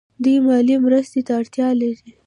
دوی مالي مرستې ته اړتیا لري.